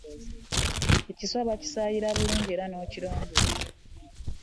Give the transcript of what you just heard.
Ekiswa bakisaayira bulungi era n'okirongoosa.